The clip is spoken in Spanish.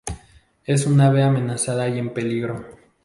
Es un ave amenazada y en peligro.